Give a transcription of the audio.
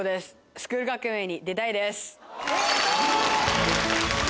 『スクール革命！』に出たいです。